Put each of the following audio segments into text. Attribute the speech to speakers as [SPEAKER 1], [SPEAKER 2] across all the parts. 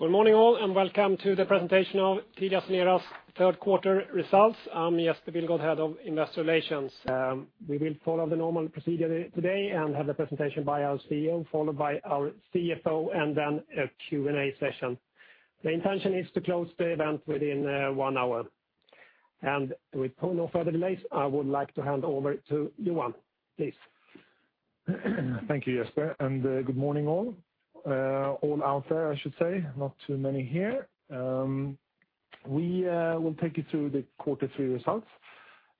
[SPEAKER 1] Good morning, all, welcome to the presentation of TeliaSonera's third quarter results. I'm Jesper Billgren, Head of Investor Relations. We will follow the normal procedure today and have the presentation by our CEO, followed by our CFO, then a Q&A session. The intention is to close the event within one hour. With no further delays, I would like to hand over to Johan, please.
[SPEAKER 2] Thank you, Jesper, good morning all. All out there, I should say, not too many here. We will take you through the quarter three results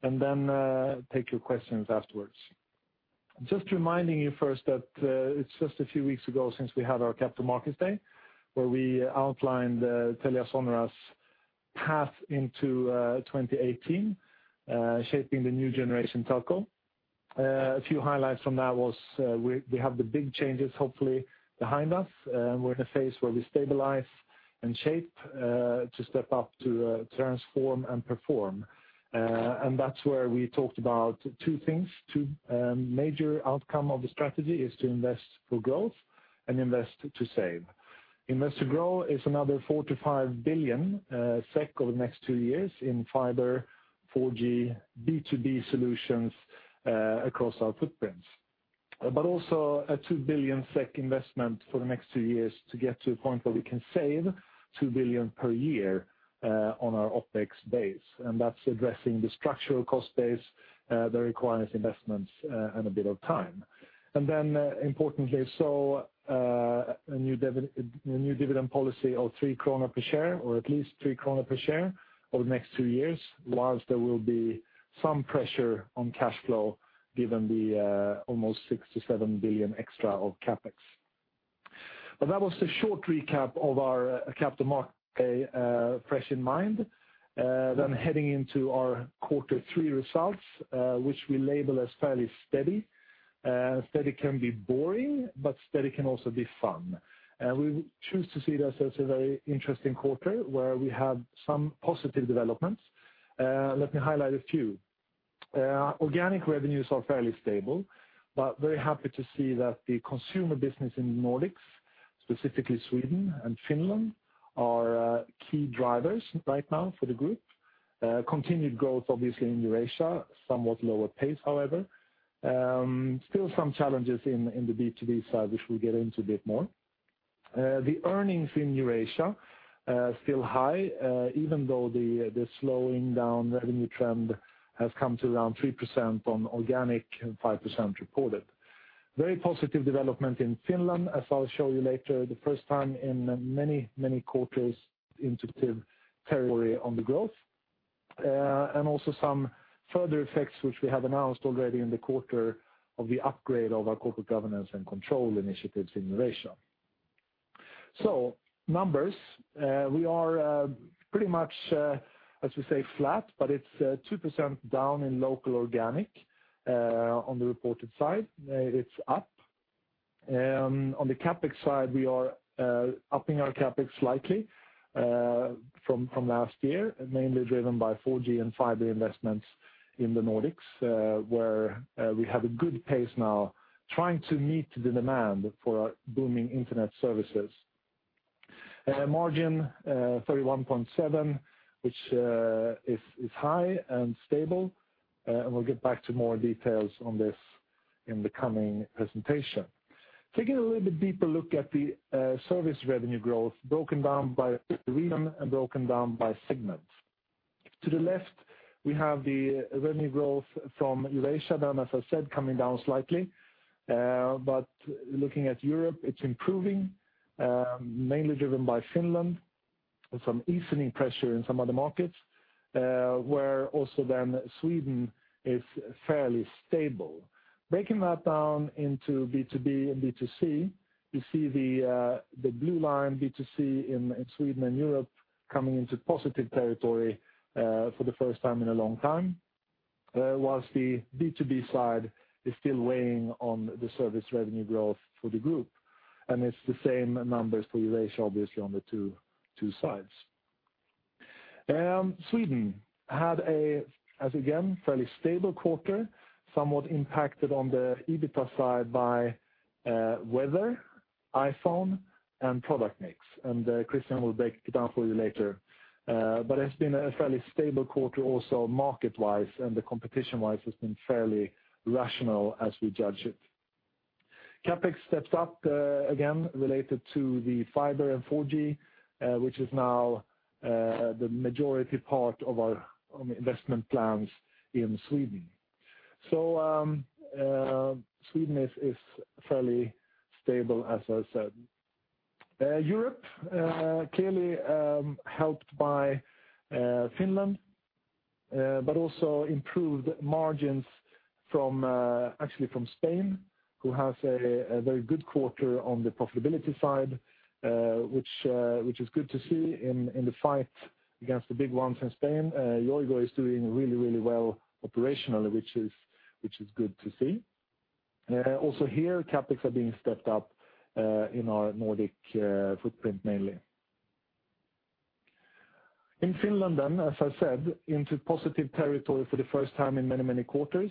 [SPEAKER 2] then take your questions afterwards. Just reminding you first that it's just a few weeks ago since we had our Capital Markets Day, where we outlined TeliaSonera's path into 2018, shaping the new generation telco. A few highlights from that was we have the big changes hopefully behind us. We're in a phase where we stabilize and shape to step up to transform and perform. That's where we talked about two things. Two major outcome of the strategy is to Invest to Grow and Invest to Save. Invest to Grow is another 4 billion-5 billion SEK over the next two years in fiber, 4G, B2B solutions across our footprints. Also a 2 billion SEK investment for the next two years to get to a point where we can save 2 billion per year on our OpEx base, that's addressing the structural cost base that requires investments a bit of time. Importantly, a new dividend policy of 3 kronor per share, or at least 3 kronor per share over the next two years, whilst there will be some pressure on cash flow given the almost 6 billion-7 billion extra of CapEx. That was the short recap of our capital market fresh in mind. Heading into our quarter three results, which we label as fairly steady. Steady can be boring, steady can also be fun. We choose to see this as a very interesting quarter where we have some positive developments. Let me highlight a few. Organic revenues are fairly stable, very happy to see that the consumer business in Nordics, specifically Sweden and Finland, are key drivers right now for the group. Continued growth, obviously in Eurasia, somewhat lower pace, however. Still some challenges in the B2B side, which we'll get into a bit more. The earnings in Eurasia, still high, even though the slowing down revenue trend has come to around 3% on organic and 5% reported. Very positive development in Finland, as I'll show you later, the first time in many, many quarters into positive territory on the growth. Also some further effects, which we have announced already in the quarter of the upgrade of our corporate governance and control initiatives in Eurasia. Numbers. We are pretty much, as we say, flat, it's 2% down in local organic. On the reported side, it's up. On the CapEx side, we are upping our CapEx slightly from last year, mainly driven by 4G and 5G investments in the Nordics, where we have a good pace now trying to meet the demand for our booming internet services. Margin 31.7%, which is high and stable. We'll get back to more details on this in the coming presentation. Taking a little bit deeper look at the service revenue growth broken down by region and broken down by segment. To the left, we have the revenue growth from Eurasia, then, as I said, coming down slightly. Looking at Europe, it's improving, mainly driven by Finland and some evening pressure in some other markets, where also then Sweden is fairly stable. Breaking that down into B2B and B2C, you see the blue line, B2C in Sweden and Europe coming into positive territory for the first time in a long time. Whilst the B2B side is still weighing on the service revenue growth for the group, and it's the same numbers for Eurasia, obviously on the two sides. Sweden had a, as again, fairly stable quarter, somewhat impacted on the EBITDA side by weather, iPhone, and product mix. Christian will break it down for you later. It's been a fairly stable quarter also market-wise, and the competition-wise has been fairly rational as we judge it. CapEx steps up again related to the fiber and 4G, which is now the majority part of our investment plans in Sweden. Sweden is fairly stable, as I said. Europe clearly helped by Finland, but also improved margins actually from Spain, who has a very good quarter on the profitability side, which is good to see in the fight against the big ones in Spain. Yoigo is doing really, really well operationally, which is good to see. Also here, CapEx are being stepped up in our Nordic footprint, mainly. In Finland then, as I said, into positive territory for the first time in many quarters.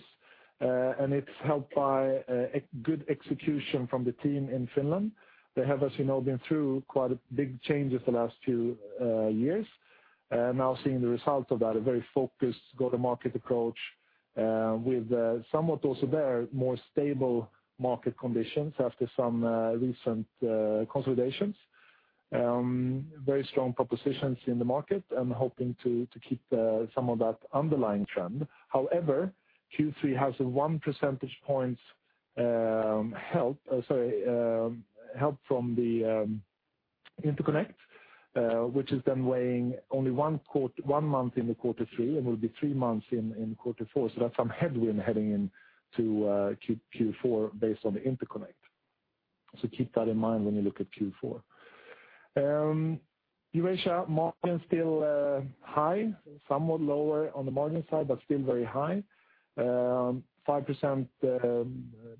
[SPEAKER 2] It's helped by a good execution from the team in Finland. They have, as you know, been through quite big changes the last few years. Now seeing the results of that, a very focused go-to-market approach, with somewhat also there more stable market conditions after some recent consolidations. Very strong propositions in the market and hoping to keep some of that underlying trend. However, Q3 has a one percentage points help from the interconnect, which is then weighing only one month in the quarter three and will be three months in quarter four, so that's some headwind heading into Q4 based on the interconnect. Keep that in mind when you look at Q4. Eurasia margin still high, somewhat lower on the margin side, but still very high. 5%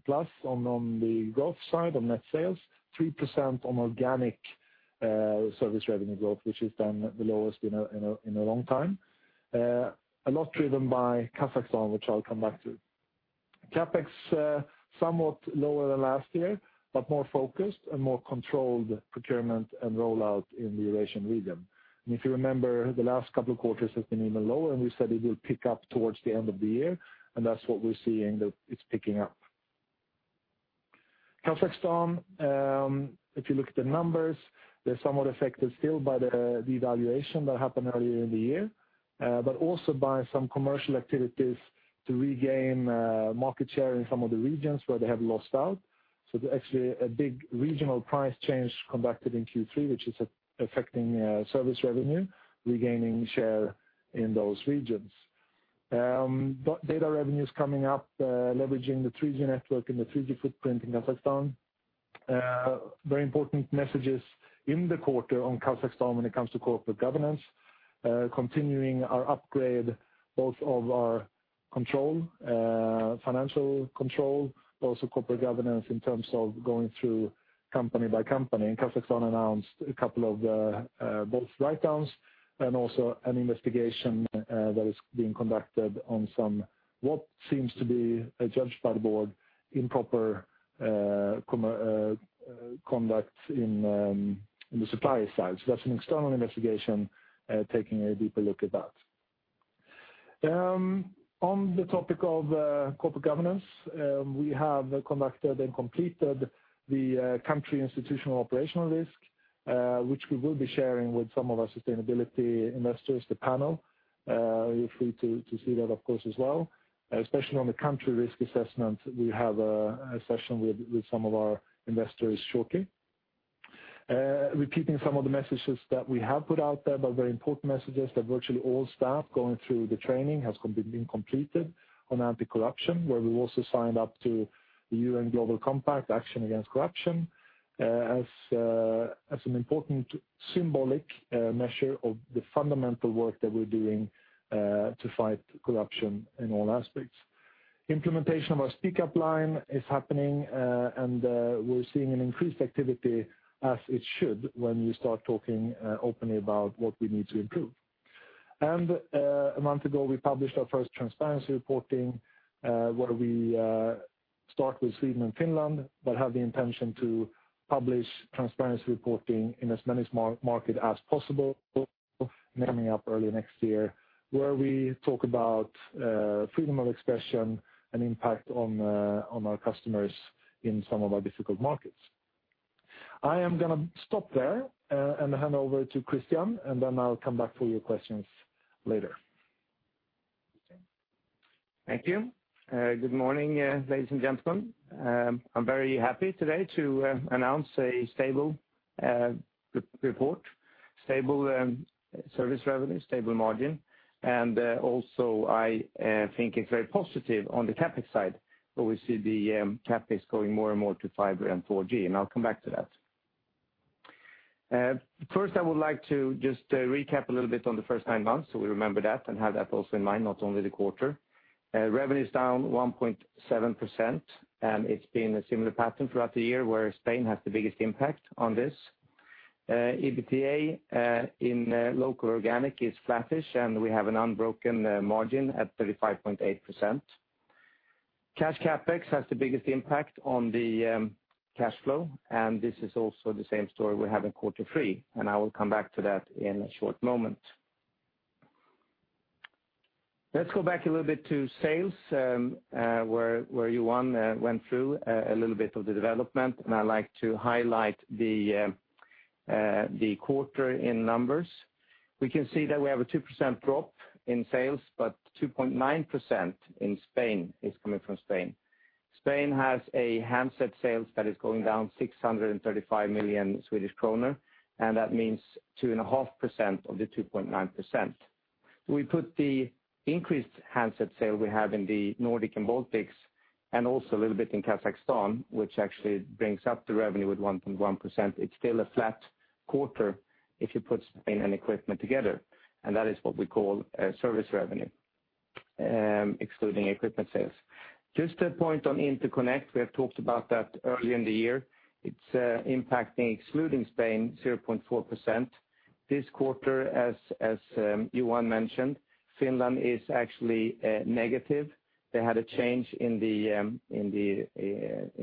[SPEAKER 2] plus on the growth side on net sales, 3% on organic service revenue growth, which is then the lowest in a long time. A lot driven by Kazakhstan, which I'll come back to. CapEx somewhat lower than last year, but more focused and more controlled procurement and rollout in the Eurasian region. If you remember, the last couple of quarters have been even lower, and we said it will pick up towards the end of the year, and that's what we're seeing, that it's picking up. Kazakhstan, if you look at the numbers, they're somewhat affected still by the devaluation that happened earlier in the year, but also by some commercial activities to regain market share in some of the regions where they have lost out. There's actually a big regional price change conducted in Q3, which is affecting service revenue, regaining share in those regions. Data revenues coming up, leveraging the 3G network and the 3G footprint in Kazakhstan. Very important messages in the quarter on Kazakhstan when it comes to corporate governance, continuing our upgrade both of our financial control, but also corporate governance in terms of going through company by company. Kazakhstan announced a couple of both write-downs and also an investigation that is being conducted on what seems to be judged by the board improper conduct in the supplier side. That's an external investigation taking a deeper look at that. On the topic of corporate governance, we have conducted and completed the country institutional operational risk, which we will be sharing with some of our sustainability investors, the panel. You're free to see that, of course, as well, especially on the country risk assessment. We have a session with some of our investors shortly. Repeating some of the messages that we have put out there, but very important messages that virtually all staff going through the training has been completed on anti-corruption, where we also signed up to the UN Global Compact Action Against Corruption as an important symbolic measure of the fundamental work that we're doing to fight corruption in all aspects. Implementation of our speak-up line is happening, and we're seeing an increased activity as it should when you start talking openly about what we need to improve. A month ago, we published our first transparency reporting, where we start with Sweden and Finland, but have the intention to publish transparency reporting in as many market as possible coming up early next year, where we talk about freedom of expression and impact on our customers in some of our difficult markets. I am going to stop there and hand over to Christian, and then I'll come back for your questions later.
[SPEAKER 3] Thank you. Good morning, ladies and gentlemen. I'm very happy today to announce a stable report, stable service revenue, stable margin. I think it's very positive on the CapEx side, where we see the CapEx going more and more to fiber and 4G, and I'll come back to that. First, I would like to just recap a little bit on the first nine months, so we remember that and have that also in mind, not only the quarter. Revenue's down 1.7%. It's been a similar pattern throughout the year where Spain has the biggest impact on this. EBITDA in local organic is flattish. We have an unbroken margin at 35.8%. Cash CapEx has the biggest impact on the cash flow. This is also the same story we have in quarter three, and I will come back to that in a short moment. Let's go back a little bit to sales, where Johan went through a little bit of the development. I'd like to highlight the quarter in numbers. We can see that we have a 2% drop in sales. 2.9% in Spain. It's coming from Spain. Spain has a handset sales that is going down 635 million Swedish kronor. That means 2.5% of the 2.9%. We put the increased handset sale we have in the Nordic and Baltics and also a little bit in Kazakhstan, which actually brings up the revenue with 1.1%. It's still a flat quarter if you put Spain and equipment together. That is what we call a service revenue. Excluding equipment sales. Just a point on interconnect. We have talked about that earlier in the year. It's impacting, excluding Spain, 0.4%. This quarter, as Johan mentioned, Finland is actually negative. They had a change in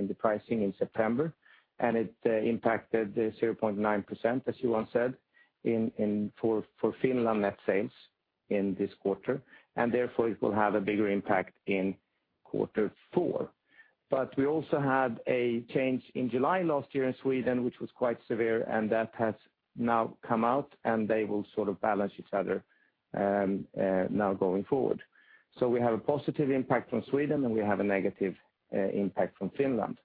[SPEAKER 3] the pricing in September. It impacted 0.9%, as Johan said, for Finland net sales in this quarter. Therefore, it will have a bigger impact in quarter four. We also had a change in July last year in Sweden, which was quite severe. That has now come out. They will sort of balance each other now going forward. We have a positive impact from Sweden. We have a negative impact from Finland.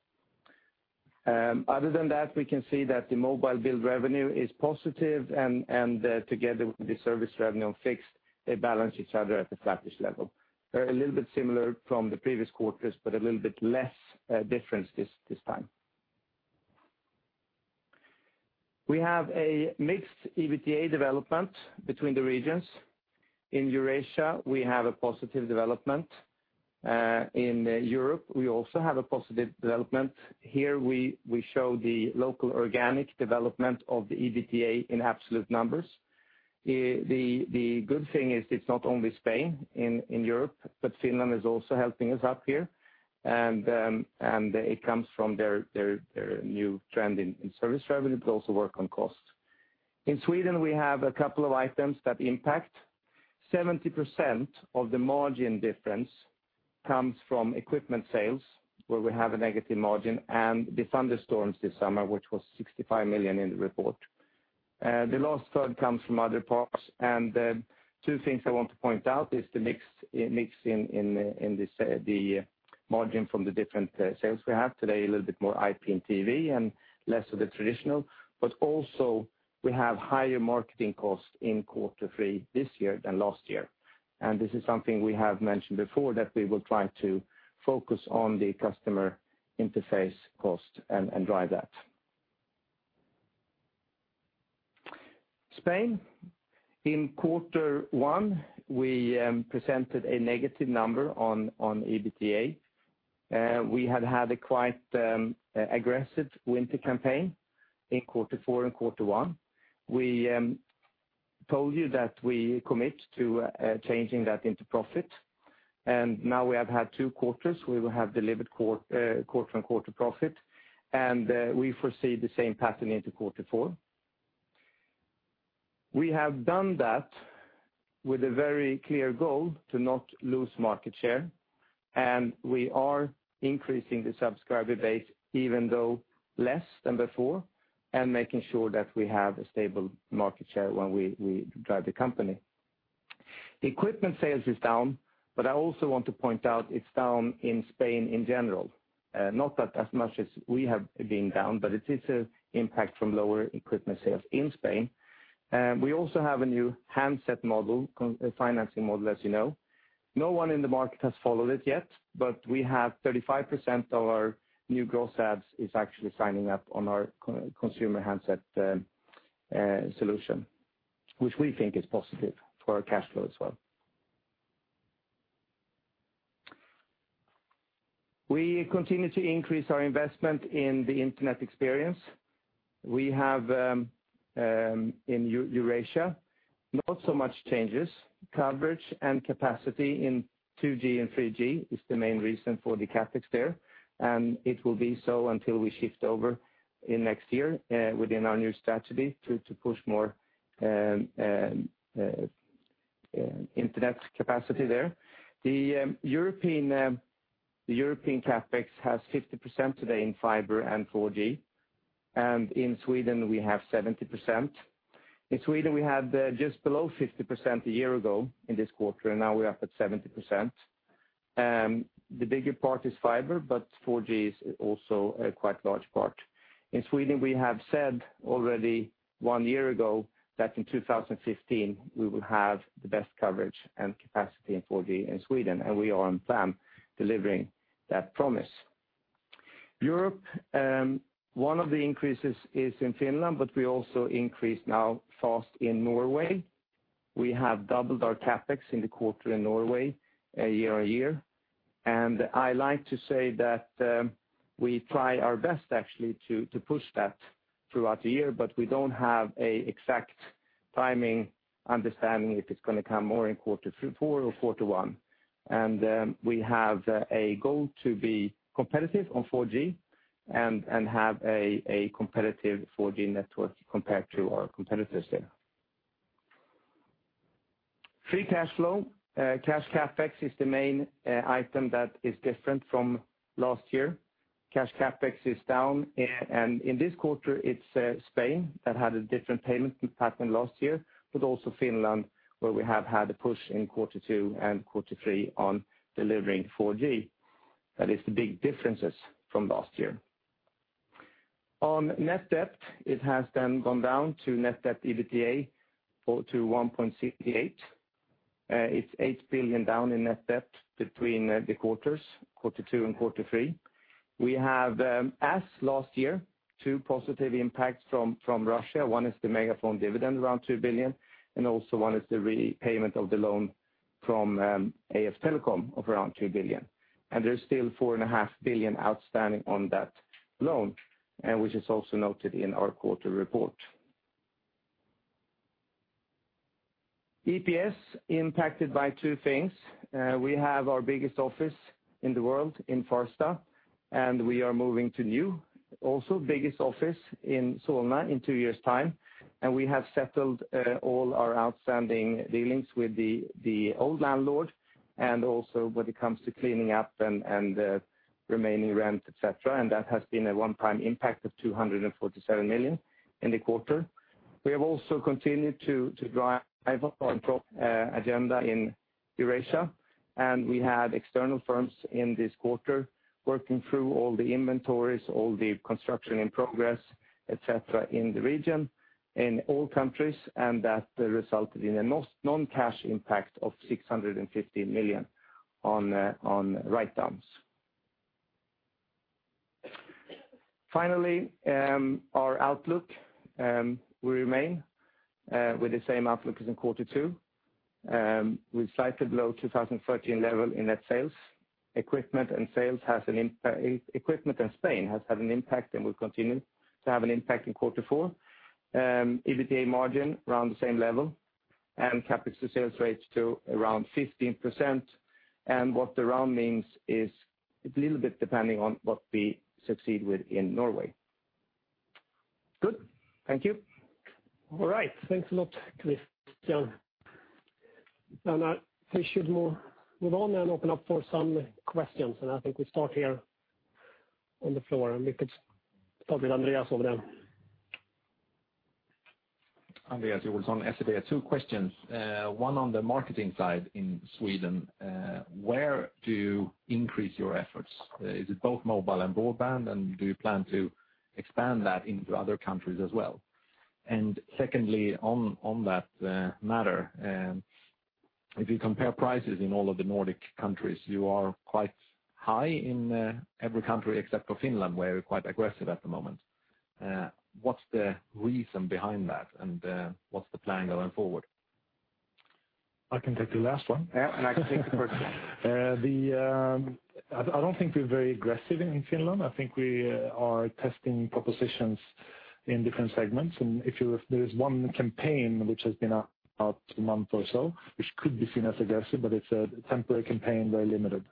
[SPEAKER 3] Other than that, we can see that the mobile bill revenue is positive. Together with the service revenue on fixed, they balance each other at a flattish level. They're a little bit similar from the previous quarters. A little bit less difference this time. We have a mixed EBITDA development between the regions. In Eurasia, we have a positive development. In Europe, we also have a positive development. Here, we show the local organic development of the EBITDA in absolute numbers. The good thing is it's not only Spain in Europe. Finland is also helping us up here. It comes from their new trend in service revenue. Also work on cost. In Sweden, we have a couple of items that impact. 70% of the margin difference comes from equipment sales, where we have a negative margin. The thunderstorms this summer, which was 65 million in the report. The last third comes from other parts. Two things I want to point out is the mix in the margin from the different sales we have today, a little bit more IP and TV and less of the traditional. Also we have higher marketing costs in quarter three this year than last year. This is something we have mentioned before, that we will try to focus on the customer interface cost and drive that. Spain. In quarter one, we presented a negative number on EBITDA. We had had a quite aggressive winter campaign in quarter four and quarter one. We told you that we commit to changing that into profit. Now we have had two quarters. We will have delivered quarter-on-quarter profit, and we foresee the same pattern into quarter four. We have done that with a very clear goal to not lose market share, and we are increasing the subscriber base even though less than before and making sure that we have a stable market share when we drive the company. Equipment sales is down. I also want to point out it's down in Spain in general. Not that as much as we have been down. It is an impact from lower equipment sales in Spain. We also have a new handset model, financing model, as you know. No one in the market has followed it yet, but we have 35% of our new gross adds is actually signing up on our consumer handset solution, which we think is positive for our cash flow as well. We continue to increase our investment in the internet experience. We have in Eurasia not so much changes. Coverage and capacity in 2G and 3G is the main reason for the CapEx there. It will be so until we shift over in next year within our new strategy to push more internet capacity there. The European CapEx has 50% today in fiber and 4G. In Sweden we have 70%. In Sweden, we had just below 50% a year ago in this quarter. Now we're up at 70%. The bigger part is fiber. 4G is also a quite large part. In Sweden, we have said already one year ago that in 2015 we will have the best coverage and capacity in 4G in Sweden. We are on plan delivering that promise. Europe, one of the increases is in Finland. We also increase now fast in Norway. We have doubled our CapEx in the quarter in Norway year-on-year. I like to say that we try our best actually to push that throughout the year, but we don't have a exact timing understanding if it's going to come more in quarter four or quarter one. We have a goal to be competitive on 4G and have a competitive 4G network compared to our competitors there. Free cash flow. Cash CapEx is the main item that is different from last year. Cash CapEx is down. In this quarter it's Spain that had a different payment pattern last year. Also Finland, where we have had a push in quarter two and quarter three on delivering 4G. That is the big differences from last year. On net debt, it has then gone down to net debt EBITDA to 1.68. It's 8 billion down in net debt between the quarters, quarter two and quarter three. We have, as last year, two positive impacts from Russia. One is the MegaFon dividend, around 2 billion. Also one is the repayment of the loan from AF Telecom of around 2 billion. There's still 4.5 billion outstanding on that loan, which is also noted in our quarter report. EPS impacted by two things. We have our biggest office in the world in Farsta, and we are moving to new, also biggest office in Solna in two years' time. We have settled all our outstanding dealings with the old landlord, also when it comes to cleaning up and the remaining rent, et cetera, and that has been a one-time impact of 247 million in the quarter. We have also continued to drive our agenda in Eurasia, and we had external firms in this quarter working through all the inventories, all the construction in progress, et cetera, in the region, in all countries, and that resulted in a non-cash impact of 650 million on write-downs. Finally, our outlook. We remain with the same outlook as in quarter two, with slightly below 2014 level in net sales. Equipment and Spain has had an impact and will continue to have an impact in quarter four. EBITDA margin around the same level and CapEx to sales rates to around 15%. What the round means is it's a little bit depending on what we succeed with in Norway. Good. Thank you.
[SPEAKER 1] All right. Thanks a lot, Christian. I think we should move on and open up for some questions. I think we start here on the floor. We could start with Andreas Joelsson then.
[SPEAKER 4] Andreas Joelsson, SEB. Two questions. One on the marketing side in Sweden. Where do you increase your efforts? Is it both mobile and broadband? Do you plan to expand that into other countries as well? Secondly, on that matter, if you compare prices in all of the Nordic countries, you are quite high in every country except for Finland, where you're quite aggressive at the moment. What's the reason behind that? What's the plan going forward?
[SPEAKER 3] I can take the last one. Yeah, I can take the first one.
[SPEAKER 2] I don't think we're very aggressive in Finland. I think we are testing propositions in different segments. There is one campaign which has been out a month or so, which could be seen as aggressive. It's a temporary campaign, very limited.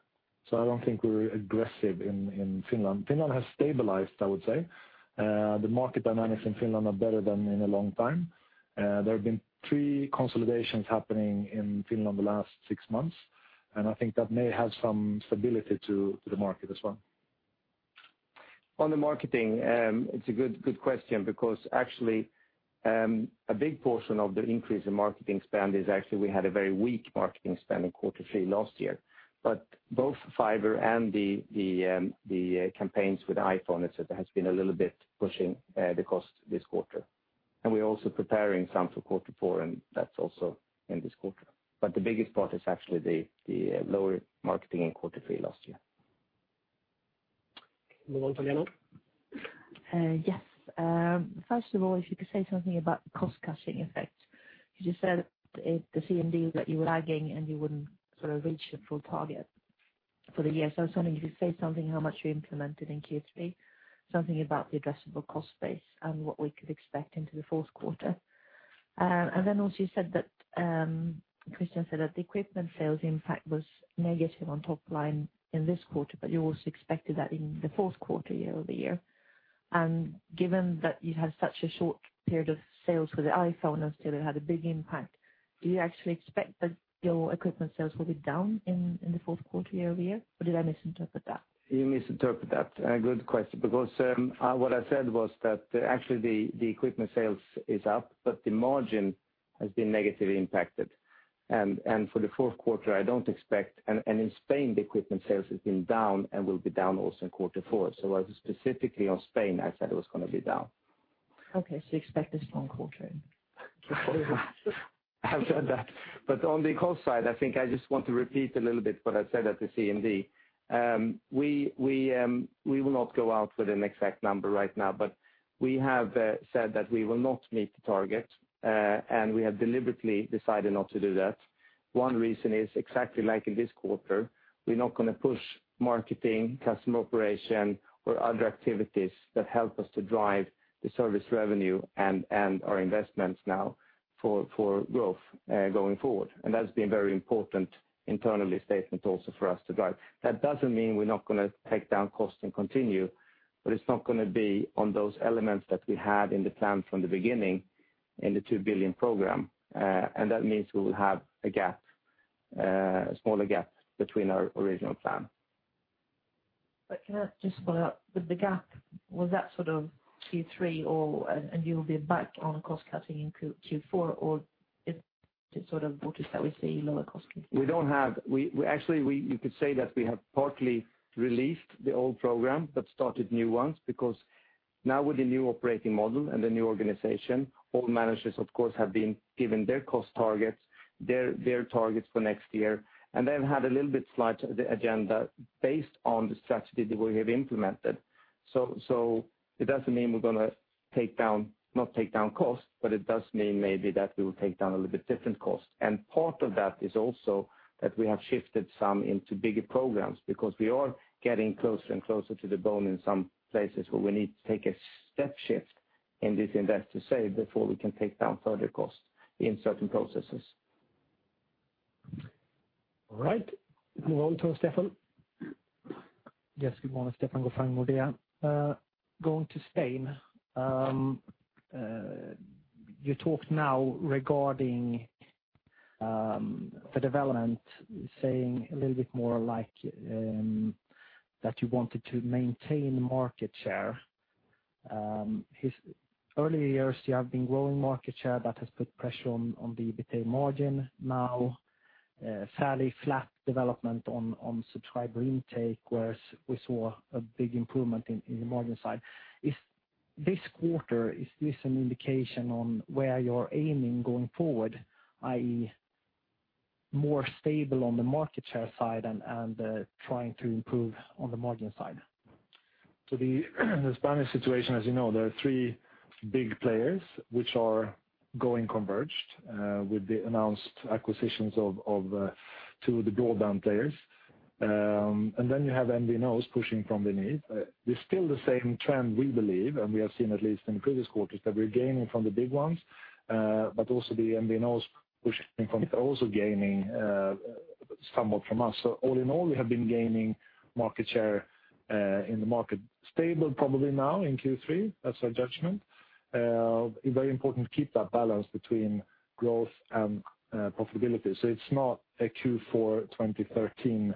[SPEAKER 2] I don't think we're aggressive in Finland. Finland has stabilized, I would say. The market dynamics in Finland are better than in a long time. There have been three consolidations happening in Finland the last six months. I think that may add some stability to the market as well. On the marketing, it's a good question because actually, a big portion of the increase in marketing spend is actually we had a very weak marketing spend in quarter three last year. Both fiber and the campaigns with iPhone, et cetera, has been a little bit pushing the cost this quarter.
[SPEAKER 3] We're also preparing some for quarter four. That's also in this quarter. The biggest part is actually the lower marketing in quarter three last year.
[SPEAKER 1] Move on to Janne.
[SPEAKER 5] Yes. First of all, if you could say something about the cost-cutting effect. You just said the CMD that you were lagging and you wouldn't sort of reach the full target for the year. I was wondering if you could say something how much you implemented in Q3, something about the addressable cost base and what we could expect into the fourth quarter. Also you said that, Christian said that the equipment sales impact was negative on top line in this quarter, but you also expected that in the fourth quarter year-over-year. Given that you had such a short period of sales for the iPhone and still it had a big impact, do you actually expect that your equipment sales will be down in the fourth quarter year-over-year, or did I misinterpret that?
[SPEAKER 3] You misinterpreted that. Good question, because what I said was that actually the equipment sales is up, but the margin has been negatively impacted. For the fourth quarter, in Spain, the equipment sales has been down and will be down also in quarter four. Specifically on Spain, I said it was going to be down.
[SPEAKER 5] Okay, you expect a strong quarter.
[SPEAKER 3] On the cost side, I think I just want to repeat a little bit what I said at the CMD. We will not go out with an exact number right now, but we have said that we will not meet the target, and we have deliberately decided not to do that. One reason is exactly like in this quarter, we're not going to push marketing, customer operation, or other activities that help us to drive the service revenue and our investments now for growth going forward. That's been very important internally statement also for us to drive. That doesn't mean we're not going to take down cost and continue, but it's not going to be on those elements that we had in the plan from the beginning in the 2 billion program. That means we will have a smaller gap between our original plan.
[SPEAKER 5] Can I just follow up with the gap? Was that sort of Q3, and you'll be back on cost cutting in Q4? Is this sort of what is that we see lower cost cutting?
[SPEAKER 3] Actually, you could say that we have partly released the old program but started new ones.
[SPEAKER 2] Now with the new operating model and the new organization, all managers, of course, have been given their cost targets, their targets for next year, and then had a little bit slide of the agenda based on the strategy that we have implemented. It doesn't mean we're not going to not take down cost, but it does mean maybe that we will take down a little bit different cost. Part of that is also that we have shifted some into bigger programs because we are getting closer and closer to the bone in some places where we need to take a step shift in this Invest to Save before we can take down further costs in certain processes.
[SPEAKER 1] All right. We'll go to Stefan.
[SPEAKER 6] Yes, good morning, Stefan Gauffin, Nordea. Going to Spain, you talked now regarding the development, saying a little bit more like that you wanted to maintain market share. Earlier years, you have been growing market share that has put pressure on the EBITA margin. Now, fairly flat development on subscriber intake, whereas we saw a big improvement in the margin side. This quarter, is this an indication on where you're aiming going forward, i.e., more stable on the market share side and trying to improve on the margin side?
[SPEAKER 2] The Spanish situation, as you know, there are three big players which are going converged with the announced acquisitions of two of the broadband players. Then you have MVNOs pushing from beneath. It's still the same trend, we believe, and we have seen at least in previous quarters, that we're gaining from the big ones, but also the MVNOs pushing from, also gaining somewhat from us. All in all, we have been gaining market share in the market. Stable probably now in Q3, that's our judgment. Very important to keep that balance between growth and profitability. It's not a Q4 2013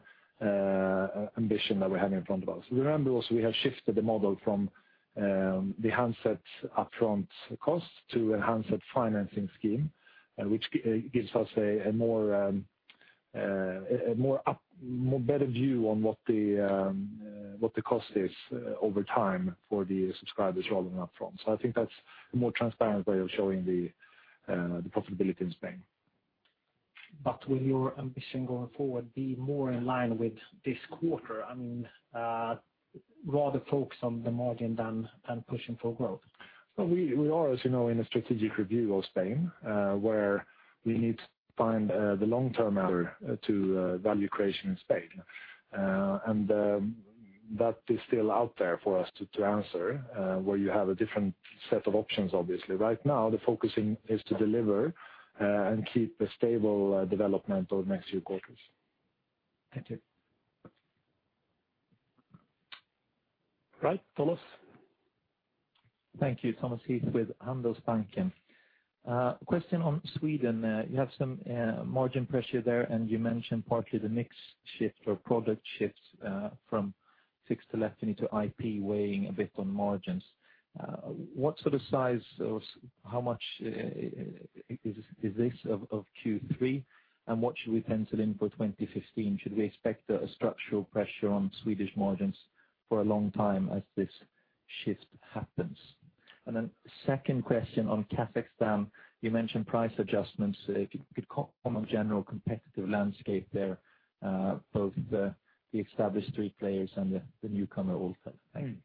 [SPEAKER 2] ambition that we're having in front of us. Remember also, we have shifted the model from the handset upfront cost to a handset financing scheme, which gives us a better view on what the cost is over time for the subscribers rolling out front. I think that's a more transparent way of showing the profitability in Spain.
[SPEAKER 6] Will your ambition going forward be more in line with this quarter? I mean, rather focus on the margin than pushing for growth.
[SPEAKER 2] We are, as you know, in a strategic review of Spain, where we need to find the long-term answer to value creation in Spain. That is still out there for us to answer, where you have a different set of options, obviously. Right now, the focus is to deliver and keep a stable development over the next few quarters.
[SPEAKER 6] Thank you.
[SPEAKER 1] Right. Thomas.
[SPEAKER 7] Thank you. Thomas Heath with Handelsbanken. Question on Sweden. You have some margin pressure there, and you mentioned partly the mix shift or product shifts from fixed telephony to IP weighing a bit on margins. What sort of size, or how much is this of Q3, and what should we pencil in for 2015? Should we expect a structural pressure on Swedish margins for a long time as this shift happens? Second question on Kazakhstan, you mentioned price adjustments. If you could comment on general competitive landscape there, both the established three players and the newcomer also. Thank you.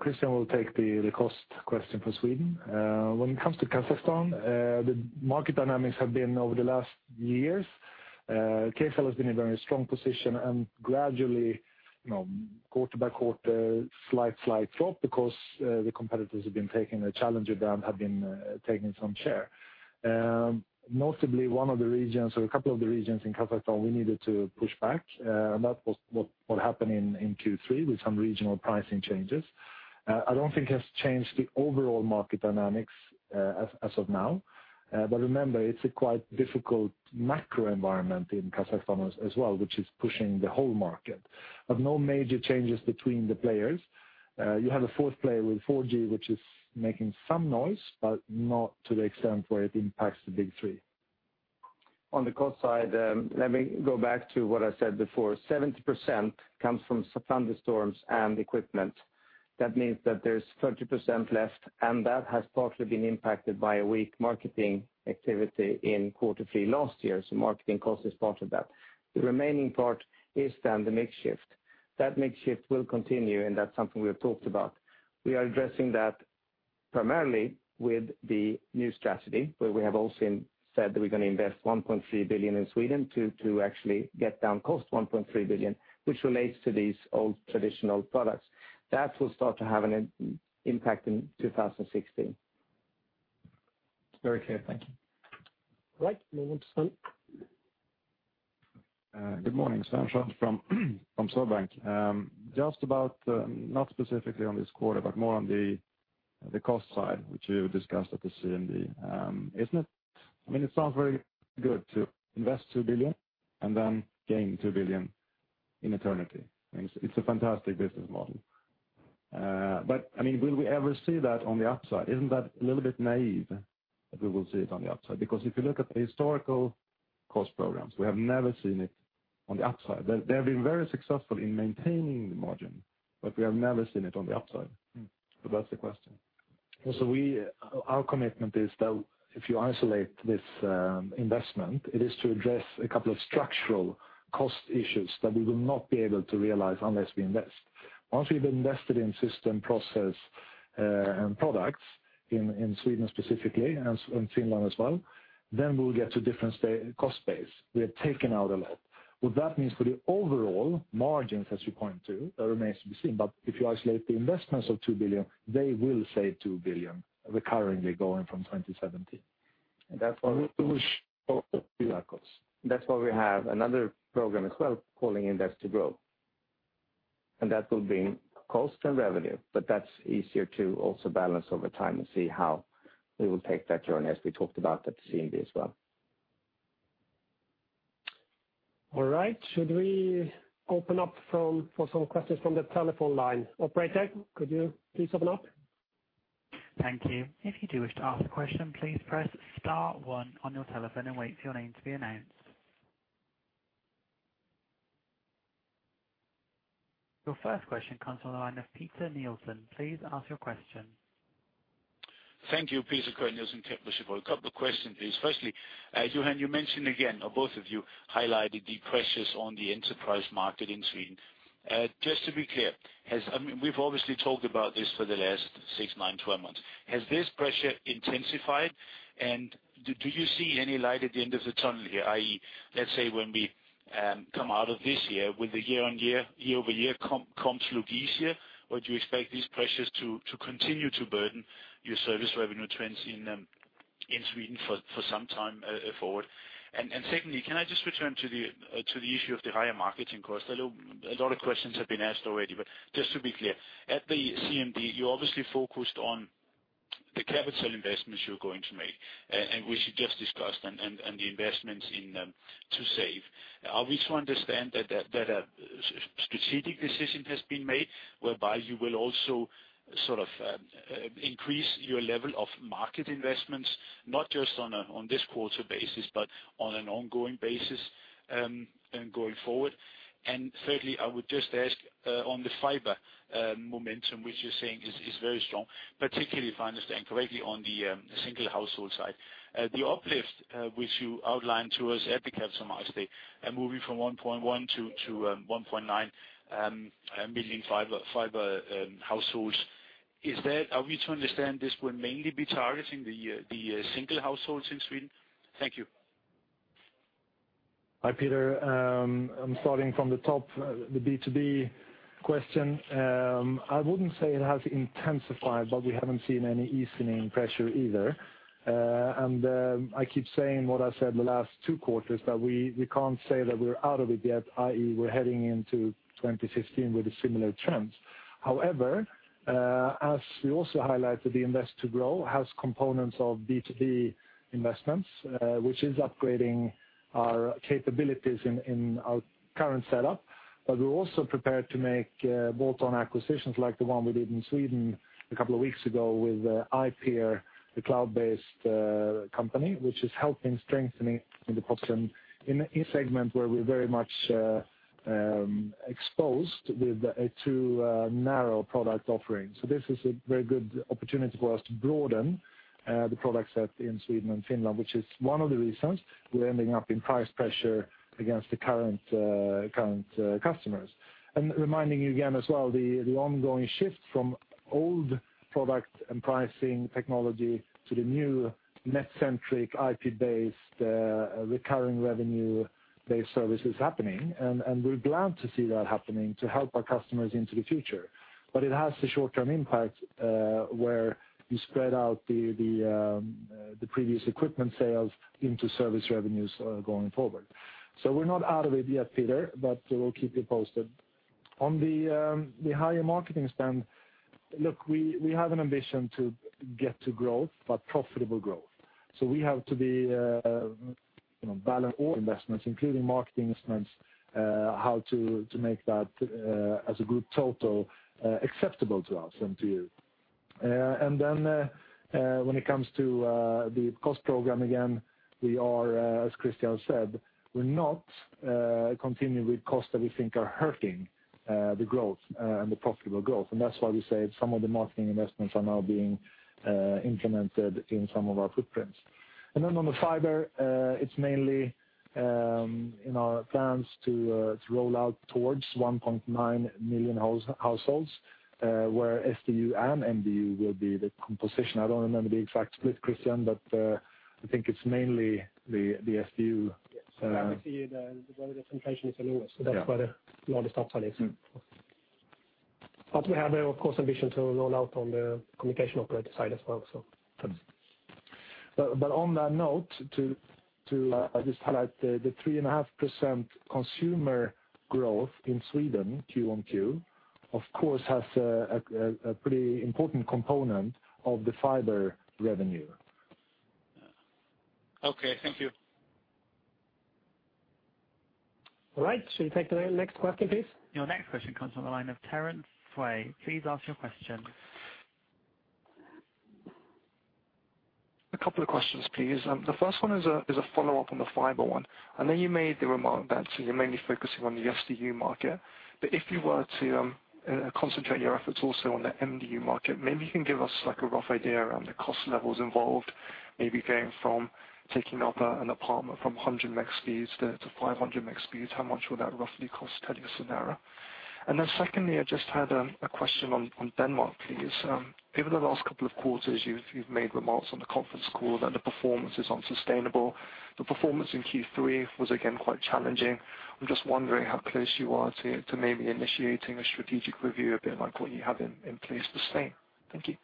[SPEAKER 2] Christian will take the cost question for Sweden. When it comes to Kazakhstan, the market dynamics have been over the last years, Kcell has been in a very strong position and gradually, quarter by quarter, slight drop because the competitors have been taking a challenge down, have been taking some share. Notably, one of the regions or a couple of the regions in Kazakhstan, we needed to push back, and that was what happened in Q3 with some regional pricing changes. I don't think it has changed the overall market dynamics as of now. Remember, it's a quite difficult macro environment in Kazakhstan as well, which is pushing the whole market. No major changes between the players. You have a fourth player with 4G, which is making some noise, but not to the extent where it impacts the big three.
[SPEAKER 3] On the cost side, let me go back to what I said before. 70% comes from thunderstorms and equipment. That means that there's 30% left, and that has partly been impacted by a weak marketing activity in quarter three last year. Marketing cost is part of that. The remaining part is the mix shift. That mix shift will continue, and that's something we have talked about. We are addressing that primarily with the new strategy, where we have also said that we're going to invest 1.3 billion in Sweden to actually get down cost 1.3 billion, which relates to these old traditional products. That will start to have an impact in 2016.
[SPEAKER 7] Very clear. Thank you.
[SPEAKER 1] Right. Move on to Sven.
[SPEAKER 8] Good morning. Sven Sköld from Swedbank. Not specifically on this quarter, but more on the cost side, which you discussed at the CMD. It sounds very good to invest 2 billion and then gain 2 billion in eternity. It's a fantastic business model. Will we ever see that on the upside? Isn't that a little bit naïve that we will see it on the upside? If you look at the historical
[SPEAKER 2] Cost programs. We have never seen it on the upside. They have been very successful in maintaining the margin, but we have never seen it on the upside. That's the question. Our commitment is that if you isolate this investment, it is to address a couple of structural cost issues that we will not be able to realize unless we invest. Once we've invested in system process and products in Sweden specifically, and in Finland as well, then we'll get to different cost base. We have taken out a lot. What that means for the overall margins as you point to, that remains to be seen. But if you isolate the investments of 2 billion, they will save 2 billion recurringly going from 2017. That's why we push costs. That's why we have another program as well, calling Invest to Grow, that will bring costs and revenue, but that's easier to also balance over time and see how we will take that journey as we talked about at the CMD as well. All right. Should we open up for some questions from the telephone line? Operator, could you please open up?
[SPEAKER 9] Thank you. If you do wish to ask a question, please press star one on your telephone and wait for your name to be announced. Your first question comes from the line of Peter Nielsen. Please ask your question.
[SPEAKER 10] Thank you, Peter Nielsen, CapMan. A couple of questions, please. Firstly, Johan, you mentioned again, or both of you highlighted the pressures on the enterprise market in Sweden. Just to be clear, we've obviously talked about this for the last six, nine, 12 months. Has this pressure intensified? Do you see any light at the end of the tunnel here, i.e., let's say when we come out of this year, will the year-over-year comps look easier? Do you expect these pressures to continue to burden your service revenue trends in Sweden for some time forward? Secondly, can I just return to the issue of the higher marketing cost? I know a lot of questions have been asked already, but just to be clear. At the CMD, you obviously focused on the capital investments you're going to make, and which you just discussed, and the Invest to Save. Are we to understand that a strategic decision has been made whereby you will also increase your level of market investments, not just on this quarter basis, but on an ongoing basis, going forward? Thirdly, I would just ask, on the fiber momentum, which you're saying is very strong, particularly if I understand correctly, on the single household side. The uplift which you outlined to us at the Capital Markets Day, moving from 1.1 million-1.9 million fiber households. Are we to understand this will mainly be targeting the single households in Sweden? Thank you.
[SPEAKER 2] Hi, Peter. I'm starting from the top, the B2B question. I wouldn't say it has intensified, but we haven't seen any easing in pressure either. I keep saying what I said the last two quarters, that we can't say that we're out of it yet, i.e., we're heading into 2016 with similar trends. However, as we also highlighted, the Invest to Grow has components of B2B investments, which is upgrading our capabilities in our current setup. We're also prepared to make bolt-on acquisitions like the one we did in Sweden a couple of weeks ago with Ipeer, the cloud-based company, which is helping strengthening the position in a segment where we're very much exposed with too narrow a product offering. This is a very good opportunity for us to broaden the product set in Sweden and Finland, which is one of the reasons we're ending up in price pressure against the current customers. Reminding you again as well, the ongoing shift from old product and pricing technology to the new net-centric, IP-based, recurring revenue-based service is happening, and we're glad to see that happening to help our customers into the future. It has the short-term impact, where you spread out the previous equipment sales into service revenues going forward. We're not out of it yet, Peter, but we'll keep you posted. On the higher marketing spend, look, we have an ambition to get to growth, but profitable growth. We have to balance all investments, including marketing investments, how to make that as a good total acceptable to us and to you. When it comes to the cost program, again, as Christian said, we're not continuing with costs that we think are hurting the growth and the profitable growth. That's why we say some of the marketing investments are now being implemented in some of our footprints. On the fiber, it's mainly in our plans to roll out towards 1.9 million households, where SDU and MDU will be the composition. I don't remember the exact split, Christian, but I think it's mainly the SDU. Yes. Where the concentration is the lowest. That's where the largest upside is. We have, of course, ambition to roll out on the communication operator side as well. On that note, to just highlight the 3.5% consumer growth in Sweden Q on Q, of course, has a pretty important component of the fiber revenue.
[SPEAKER 10] Okay. Thank you.
[SPEAKER 2] All right. Should we take the next question, please?
[SPEAKER 9] Your next question comes from the line of Terence Tsui. Please ask your question.
[SPEAKER 11] A couple of questions, please. The first one is a follow-up on the fiber one. I know you made the remark that you're mainly focusing on the SDU market, but if you were to concentrate your efforts also on the MDU market, maybe you can give us a rough idea around the cost levels involved, maybe going from taking up an apartment from 100 meg speeds to 500 meg speeds. How much would that roughly cost TeliaSonera? Secondly, I just had a question on Denmark, please. Over the last couple of quarters, you've made remarks on the conference call that the performance is unsustainable. The performance in Q3 was again quite challenging. I'm just wondering how close you are to maybe initiating a strategic review, a bit like what you have in place for Spain. Thank you.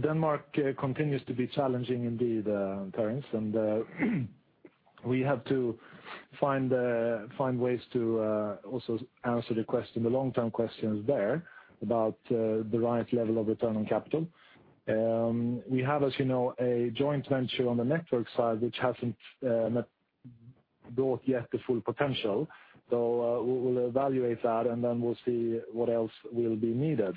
[SPEAKER 2] Denmark continues to be challenging indeed, Terence, we have to find ways to also answer the long-term questions there about the right level of return on capital. We have, as you know, a joint venture on the network side which hasn't brought yet the full potential. We'll evaluate that we'll see what else will be needed.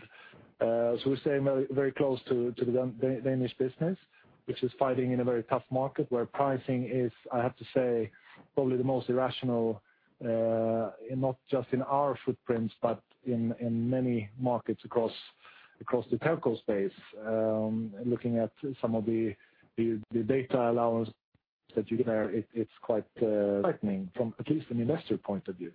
[SPEAKER 2] We're staying very close to the Danish business, which is fighting in a very tough market where pricing is, I have to say, probably the most irrational, not just in our footprints, but in many markets across the telco space. Looking at some of the data allowance that you get there, it's quite frightening from at least an investor point of view.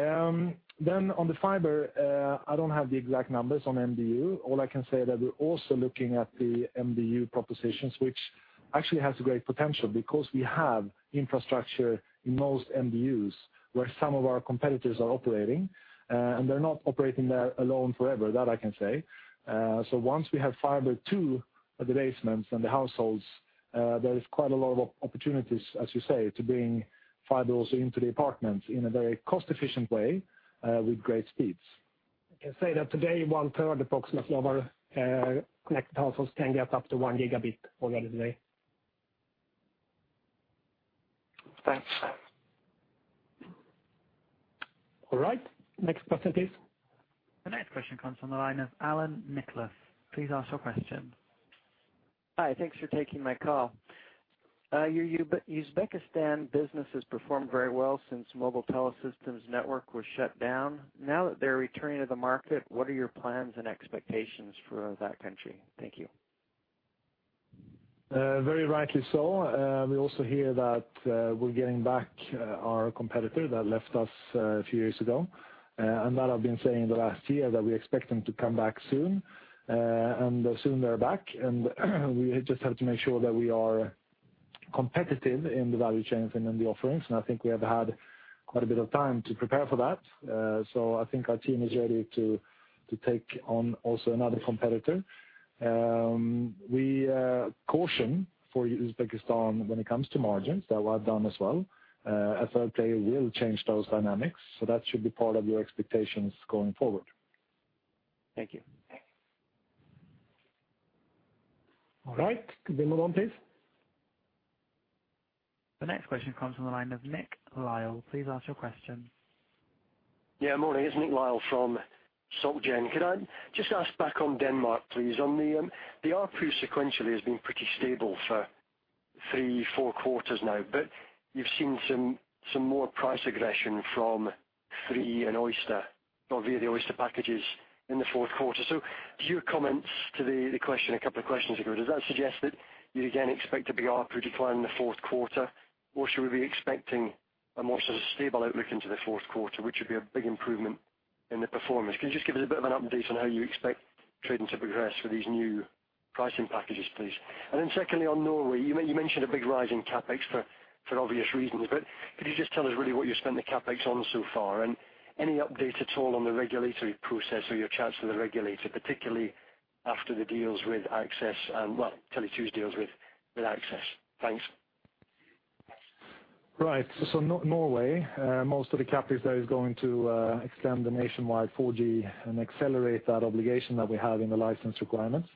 [SPEAKER 2] On the fiber, I don't have the exact numbers on MDU. All I can say is that we're also looking at the MDU propositions, which actually has great potential because we have infrastructure in most MDUs where some of our competitors are operating, and they're not operating there alone forever, that I can say. Once we have fiber to the basements and the households, there is quite a lot of opportunities, as you say, to bring fiber also into the apartments in a very cost-efficient way with great speeds.
[SPEAKER 1] I can say that today, one-third approximately, of our connected households can get up to one gigabit already today.
[SPEAKER 11] Thanks.
[SPEAKER 2] All right. Next person, please.
[SPEAKER 9] The next question comes from the line of Allan Nichols. Please ask your question.
[SPEAKER 12] Hi. Thanks for taking my call. Your Uzbekistan business has performed very well since Mobile TeleSystems network was shut down. Now that they're returning to the market, what are your plans and expectations for that country? Thank you.
[SPEAKER 2] Very rightly so. We also hear that we're getting back our competitor that left us a few years ago. That I've been saying the last year, that we expect them to come back soon. Soon they're back, and we just have to make sure that we are competitive in the value chains and in the offerings. I think we have had quite a bit of time to prepare for that. I think our team is ready to take on also another competitor. We caution for Uzbekistan when it comes to margins that went down as well. A third player will change those dynamics. That should be part of your expectations going forward.
[SPEAKER 12] Thank you.
[SPEAKER 2] All right. Could be move on, please?
[SPEAKER 9] The next question comes from the line of Nick Lyall. Please ask your question.
[SPEAKER 13] Morning. It's Nick Lyall from Société Gén. Could I just ask back on Denmark, please? ARPU sequentially has been pretty stable for three, four quarters now. You've seen some more price aggression from Three and Oister or via the Oister packages in the fourth quarter. To your comments to the question a couple of questions ago, does that suggest that you again expect a big ARPU decline in the fourth quarter? Should we be expecting a more sort of stable outlook into the fourth quarter, which would be a big improvement in the performance? Can you just give us a bit of an update on how you expect trading to progress with these new pricing packages, please? Secondly, on Norway, you mentioned a big rise in CapEx for obvious reasons. Could you just tell us really what you spent the CapEx on so far? Any update at all on the regulatory process or your chats with the regulator, particularly after the deals with Access and, Tele2's deals with Access? Thanks.
[SPEAKER 2] Norway, most of the CapEx there is going to extend the nationwide 4G and accelerate that obligation that we have in the license requirements.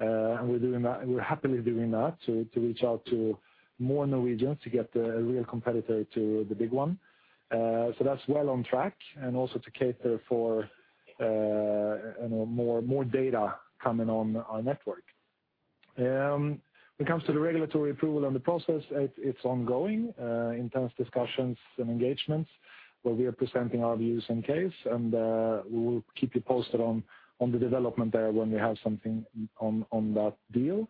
[SPEAKER 2] We're happily doing that to reach out to more Norwegians to get a real competitor to the big one. That's well on track, and also to cater for more data coming on our network. When it comes to the regulatory approval and the process, it's ongoing. Intense discussions and engagements where we are presenting our views and case, and we will keep you posted on the development there when we have something on that deal.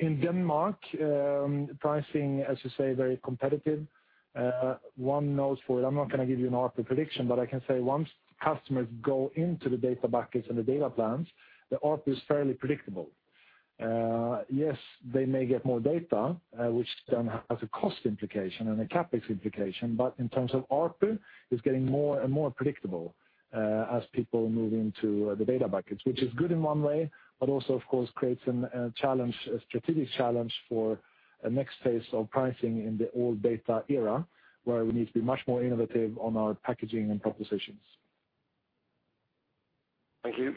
[SPEAKER 2] In Denmark, pricing, as you say, very competitive. One knows for it, I'm not going to give you an ARPU prediction, but I can say once customers go into the data buckets and the data plans, the ARPU is fairly predictable. They may get more data, which then has a cost implication and a CapEx implication. In terms of ARPU, it's getting more and more predictable as people move into the data buckets. Which is good in one way, but also of course creates a strategic challenge for a next phase of pricing in the all data era, where we need to be much more innovative on our packaging and propositions.
[SPEAKER 13] Thank you.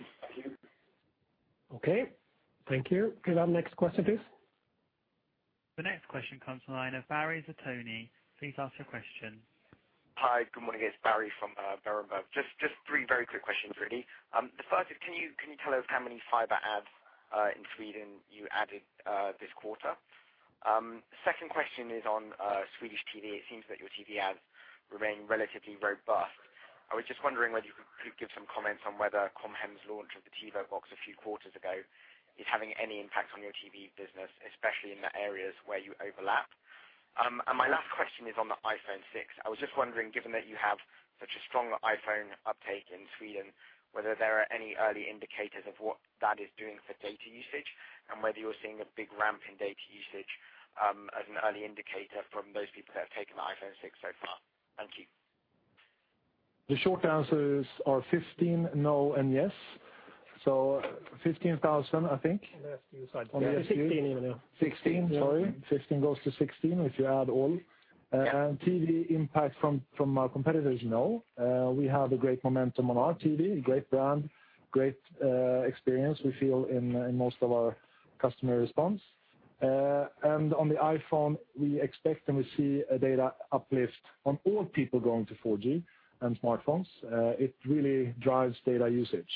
[SPEAKER 2] Okay. Thank you. Could I have next question, please?
[SPEAKER 9] The next question comes to the line of Bhavin Shah. Please ask your question.
[SPEAKER 14] Hi, good morning. It's Bhavin from Berenberg. Just three very quick questions really. The first is, can you tell us how many fiber adds in Sweden you added this quarter? Second question is on Swedish TV. It seems that your TV adds remain relatively robust. I was just wondering whether you could give some comments on whether Com Hem's launch of the TV box a few quarters ago is having any impact on your TV business, especially in the areas where you overlap. My last question is on the iPhone 6. I was just wondering, given that you have such a strong iPhone uptake in Sweden, whether there are any early indicators of what that is doing for data usage, and whether you're seeing a big ramp in data usage as an early indicator from those people that have taken the iPhone 6 so far. Thank you.
[SPEAKER 2] The short answers are 15, no, and yes. 15,000, I think.
[SPEAKER 1] On the ST side. Yeah, 16 even now.
[SPEAKER 2] 16, sorry. 15 goes to 16 if you add all.
[SPEAKER 14] Yeah.
[SPEAKER 2] TV impact from our competitors, no. We have a great momentum on our TV, great brand, great experience we feel in most of our customer response. On the iPhone, we expect, and we see a data uplift on all people going to 4G and smartphones. It really drives data usage.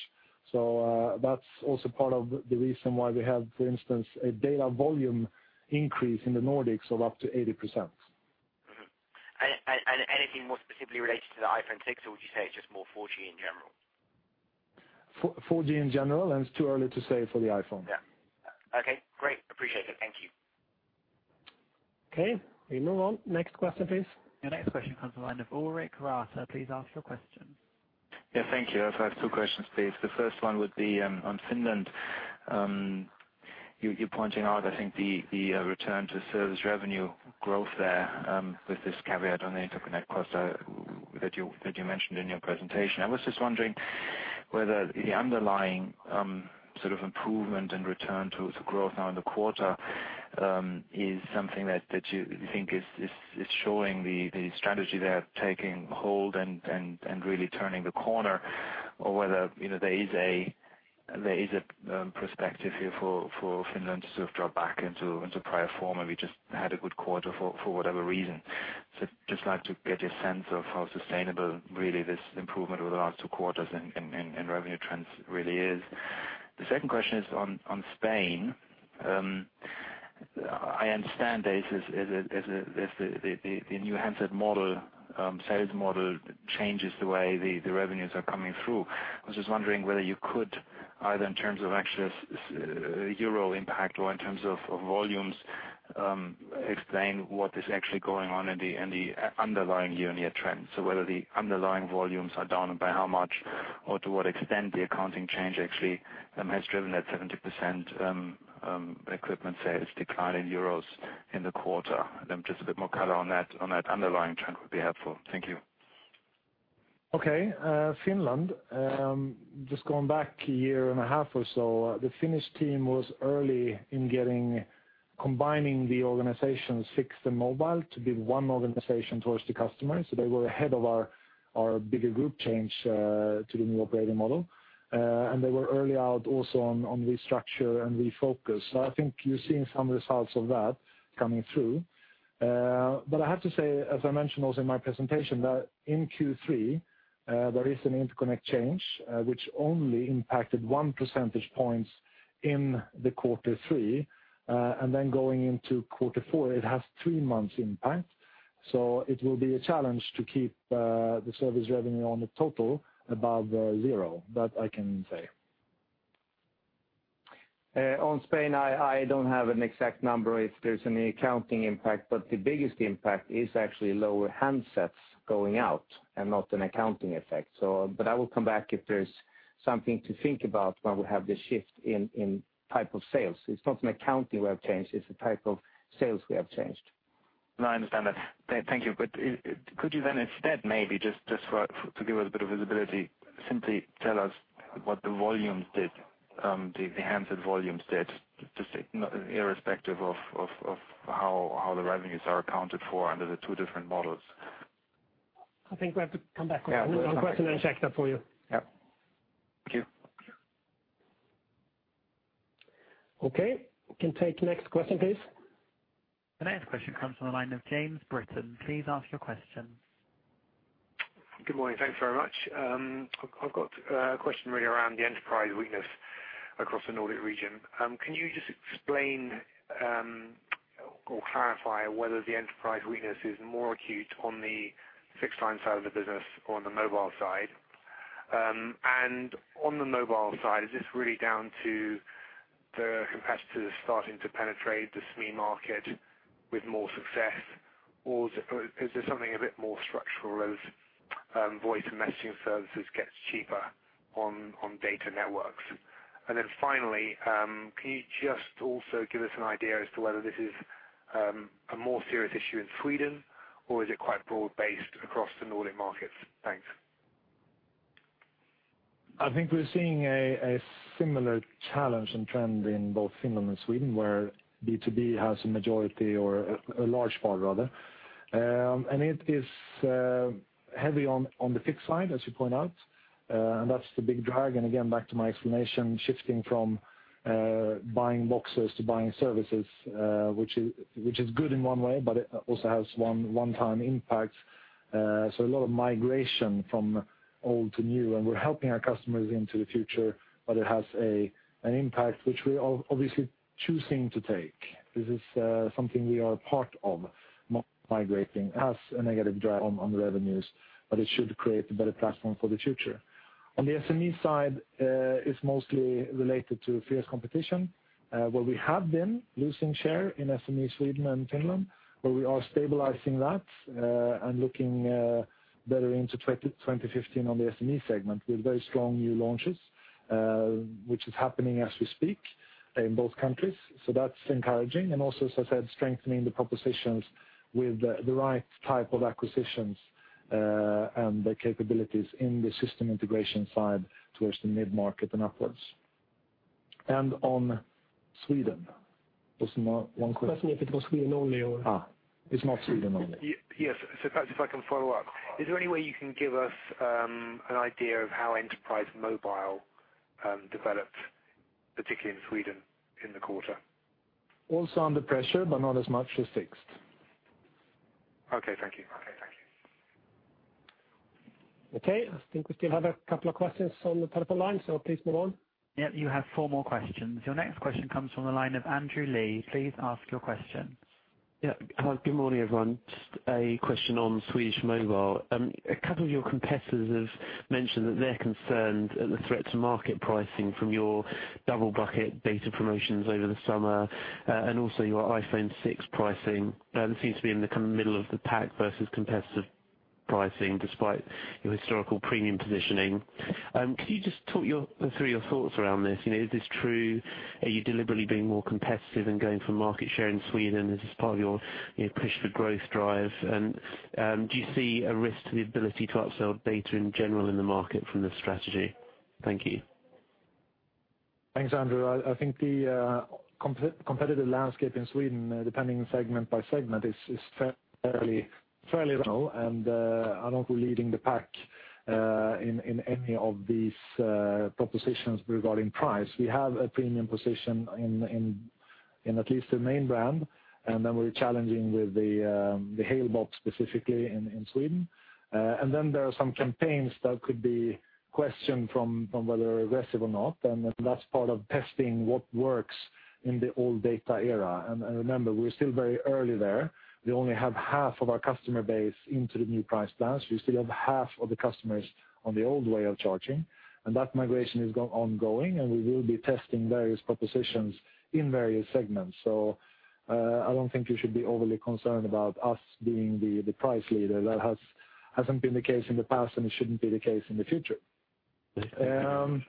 [SPEAKER 2] That's also part of the reason why we have, for instance, a data volume increase in the Nordics of up to 80%.
[SPEAKER 14] Mm-hmm. Anything more specifically related to the iPhone 6, or would you say it's just more 4G in general?
[SPEAKER 2] 4G in general, and it's too early to say for the iPhone.
[SPEAKER 14] Yeah. Okay, great. Appreciate it. Thank you.
[SPEAKER 2] Okay, we move on. Next question, please.
[SPEAKER 9] Your next question comes from the line of Ulrich Rathe. Please ask your question.
[SPEAKER 15] Yeah, thank you. I have two questions please. The first one would be on Finland. You're pointing out, I think, the return to service revenue growth there, with this caveat on the interconnect cost that you mentioned in your presentation. I was just wondering whether the underlying sort of improvement in return to growth now in the quarter is something that you think is showing the strategy there taking hold and really turning the corner, or whether there is a perspective here for Finland to sort of drop back into prior form, and we just had a good quarter for whatever reason. Just like to get a sense of how sustainable really this improvement over the last two quarters in revenue trends really is. The second question is on Spain. I understand this is the new handset model, sales model changes the way the revenues are coming through. I was just wondering whether you could, either in terms of actual EUR impact or in terms of volumes, explain what is actually going on in the underlying year-on-year trends. Whether the underlying volumes are down and by how much, or to what extent the accounting change actually has driven that 70% equipment sales decline in EUR in the quarter. Just a bit more color on that underlying trend would be helpful. Thank you.
[SPEAKER 2] Okay. Finland. Just going back a year and a half or so, the Finnish team was early in combining the organizations fixed and mobile to be one organization towards the customer. They were ahead of our bigger group change to the new operating model. They were early out also on restructure and refocus. I think you're seeing some results of that coming through. I have to say, as I mentioned also in my presentation, that in Q3, there is an interconnect change, which only impacted one percentage points in the quarter three. Then going into quarter four, it has three months impact. It will be a challenge to keep the service revenue on the total above zero. That I can say. On Spain, I don't have an exact number if there's any accounting impact, but the biggest impact is actually lower handsets going out and not an accounting effect. I will come back if there's something to think about when we have the shift in type of sales. It's not an accounting we have changed, it's the type of sales we have changed.
[SPEAKER 15] I understand that. Thank you. Could you then instead, maybe, just to give us a bit of visibility, simply tell us what the volumes did, the handset volumes did, just irrespective of how the revenues are accounted for under the two different models?
[SPEAKER 2] I think we have to come back with one more question and check that for you.
[SPEAKER 15] Thank you.
[SPEAKER 2] Okay. We can take next question, please.
[SPEAKER 9] The next question comes from the line of James Britton. Please ask your question.
[SPEAKER 16] Good morning. Thanks very much. I've got a question really around the enterprise weakness across the Nordic region. Can you just explain or clarify whether the enterprise weakness is more acute on the fixed line side of the business or on the mobile side? On the mobile side, is this really down to the competitors starting to penetrate the SME market with more success, or is there something a bit more structural as voice and messaging services gets cheaper on data networks? Finally, can you just also give us an idea as to whether this is a more serious issue in Sweden, or is it quite broad-based across the Nordic markets? Thanks.
[SPEAKER 2] I think we're seeing a similar challenge and trend in both Finland and Sweden, where B2B has a majority or a large part, rather. It is heavy on the fixed line, as you point out. Again, back to my explanation, shifting from buying boxes to buying services, which is good in one way, but it also has one-time impact. A lot of migration from old to new, and we're helping our customers into the future, but it has an impact, which we are obviously choosing to take. This is something we are part of migrating. It has a negative drag on the revenues, but it should create a better platform for the future. On the SME side, it's mostly related to fierce competition, where we have been losing share in SME Sweden and Finland, but we are stabilizing that and looking better into 2015 on the SME segment with very strong new launches, which is happening as we speak in both countries. That's encouraging, and also, as I said, strengthening the propositions with the right type of acquisitions, and the capabilities in the system integration side towards the mid-market and upwards. On Sweden, there was one more question.
[SPEAKER 16] Was asking if it was Sweden only, or?
[SPEAKER 2] It's not Sweden only.
[SPEAKER 16] Yes. Perhaps if I can follow up, is there any way you can give us an idea of how enterprise mobile developed, particularly in Sweden in the quarter?
[SPEAKER 2] Also under pressure, but not as much as fixed.
[SPEAKER 16] Okay. Thank you.
[SPEAKER 2] Okay. I think we still have a couple of questions on the telephone line, so please move on.
[SPEAKER 9] Yep, you have four more questions. Your next question comes from the line of Andrew Lee. Please ask your question.
[SPEAKER 17] Good morning, everyone. Just a question on Swedish mobile. A couple of your competitors have mentioned that they're concerned at the threat to market pricing from your double bucket data promotions over the summer, and also your iPhone 6 pricing seems to be in the middle of the pack versus competitive pricing, despite your historical premium positioning. Could you just talk through your thoughts around this? Is this true? Are you deliberately being more competitive and going for market share in Sweden as part of your push for growth drive? Do you see a risk to the ability to upsell data in general in the market from this strategy? Thank you.
[SPEAKER 2] Thanks, Andrew. I think the competitive landscape in Sweden, depending segment by segment, is fairly and I don't go leading the pack in any of these propositions regarding price. We have a premium position in at least the main brand, and then we're challenging with the Halebop specifically in Sweden. Then there are some campaigns that could be questioned from whether aggressive or not, and that's part of testing what works in the old data era. Remember, we're still very early there. We only have half of our customer base into the new price plans. We still have half of the customers on the old way of charging, and that migration is ongoing, and we will be testing various propositions in various segments. I don't think you should be overly concerned about us being the price leader. That hasn't been the case in the past, and it shouldn't be the case in the future.
[SPEAKER 17] Thank you.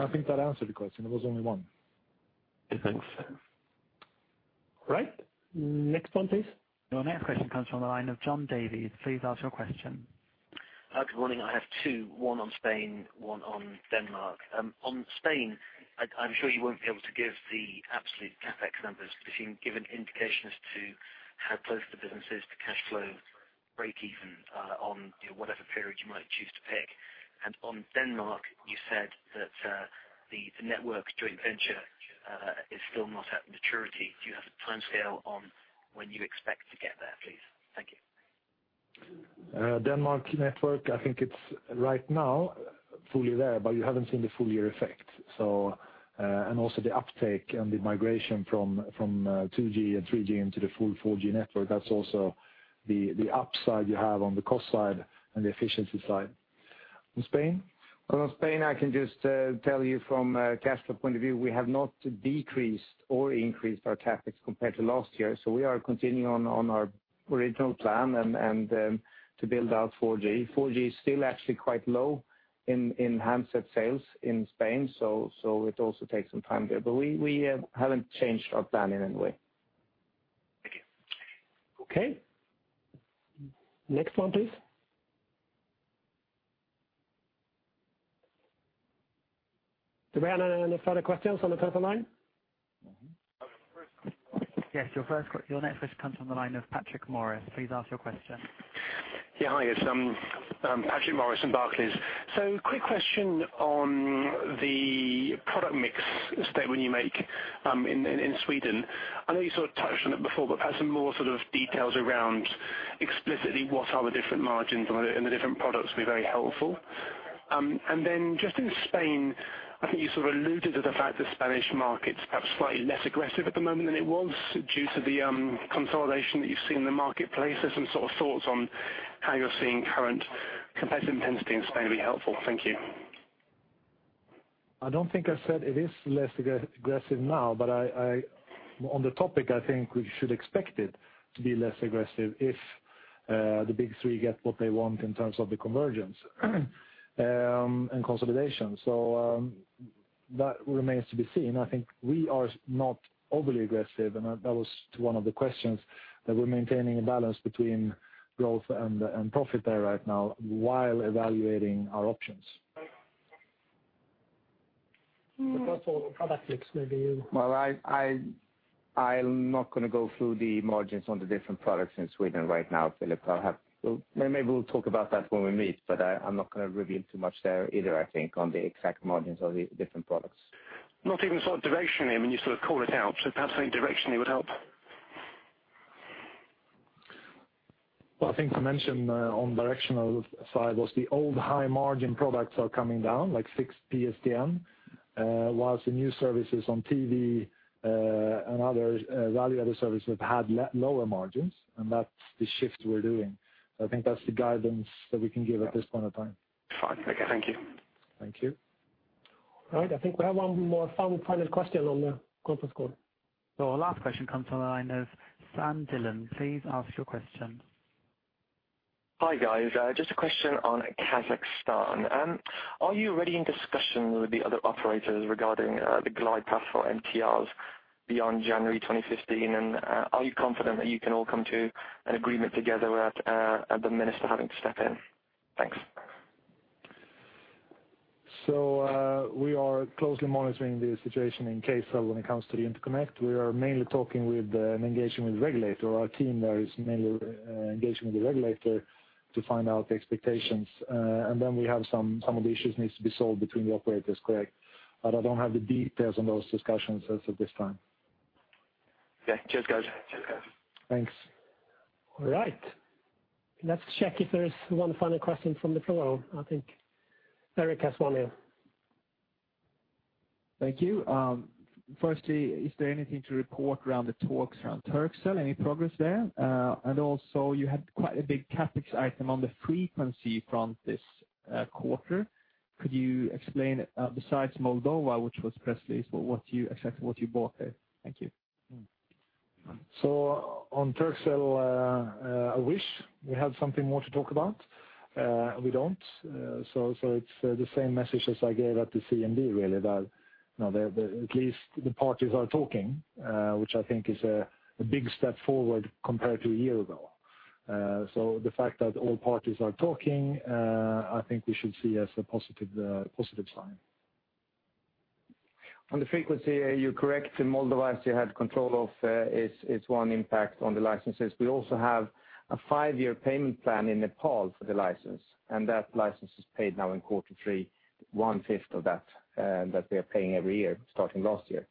[SPEAKER 2] I think that answered the question. There was only one.
[SPEAKER 17] Yeah, thanks.
[SPEAKER 2] Right. Next one please.
[SPEAKER 9] Your next question comes from the line of Johan Davidsson. Please ask your question.
[SPEAKER 18] Good morning. I have two, one on Spain, one on Denmark. On Spain, I'm sure you won't be able to give the absolute CapEx numbers, but if you can give an indication as to how close the business is to cash flow breakeven on whatever period you might choose to pick. On Denmark, you said that the network joint venture is still not at maturity. Do you have a timescale on when you expect to get there, please? Thank you.
[SPEAKER 2] Denmark network, I think it's right now fully there, but you haven't seen the full year effect. Also the uptake and the migration from 2G and 3G into the full 4G network. That's also the upside you have on the cost side and the efficiency side. On Spain? On Spain, I can just tell you from a cash flow point of view, we have not decreased or increased our CapEx compared to last year. We are continuing on our original plan and to build out 4G. 4G is still actually quite low in handset sales in Spain, so it also takes some time there, but we haven't changed our plan in any way.
[SPEAKER 18] Thank you.
[SPEAKER 2] Okay. Next one please. Do we have any further questions on the telephone line?
[SPEAKER 9] Yes, your next question comes on the line of Maurice Patrick. Please ask your question.
[SPEAKER 19] Hi, it's Maurice Patrick from Barclays. Quick question on the product mix statement you make in Sweden. I know you sort of touched on it before, but perhaps some more sort of details around explicitly what are the different margins on it and the different products would be very helpful. Just in Spain, I think you sort of alluded to the fact the Spanish market's perhaps slightly less aggressive at the moment than it was due to the consolidation that you've seen in the marketplace. There's some sort of thoughts on how you're seeing current competitive intensity in Spain will be helpful. Thank you.
[SPEAKER 2] I don't think I said it is less aggressive now, on the topic, I think we should expect it to be less aggressive if the big three get what they want in terms of the convergence and consolidation. That remains to be seen. I think we are not overly aggressive, and that was to one of the questions, that we're maintaining a balance between growth and profit there right now while evaluating our options. For product mix, maybe you.
[SPEAKER 3] I'm not going to go through the margins on the different products in Sweden right now, Maurice. Maybe we'll talk about that when we meet, I'm not going to reveal too much there either, I think, on the exact margins of the different products.
[SPEAKER 19] Not even directionally. You sort of call it out, perhaps something directionally would help.
[SPEAKER 2] Well, I think to mention on directional side was the old high-margin products are coming down, like fixed PSTN, whilst the new services on TV and other value-added services have had lower margins, and that's the shift we're doing. I think that's the guidance that we can give at this point in time.
[SPEAKER 19] Fine. Okay, thank you.
[SPEAKER 2] Thank you.
[SPEAKER 1] All right. I think we have one more final question on the conference call.
[SPEAKER 9] Our last question comes from the line of Paul Sidney. Please ask your question.
[SPEAKER 20] Hi, guys. Just a question on Kazakhstan. Are you already in discussion with the other operators regarding the glide path for MTRs beyond January 2015? Are you confident that you can all come to an agreement together without the minister having to step in? Thanks.
[SPEAKER 2] We are closely monitoring the situation in case when it comes to the interconnect. We are mainly talking with and engaging with the regulator. Our team there is mainly engaging with the regulator to find out the expectations. Then we have some of the issues need to be solved between the operators, correct. I don't have the details on those discussions as of this time.
[SPEAKER 20] Okay. Cheers, guys.
[SPEAKER 2] Thanks.
[SPEAKER 3] All right. Let's check if there is one final question from the floor. I think Eric has one here.
[SPEAKER 21] Thank you. Firstly, is there anything to report around the talks around Turkcell? Any progress there? Also, you had quite a big CapEx item on the frequency front this quarter. Could you explain, besides Moldova, which was press release, exactly what you bought there? Thank you.
[SPEAKER 2] On Turkcell, I wish we had something more to talk about. We don't. It's the same message as I gave at the CMD, really, that at least the parties are talking, which I think is a big step forward compared to a year ago. The fact that all parties are talking, I think we should see as a positive sign.
[SPEAKER 3] On the frequency, you're correct. In Moldova, as you had control of, it's one impact on the licenses. We also have a five-year payment plan in Nepal for the license, and that license is paid now in quarter three, one fifth of that they are paying every year, starting last year.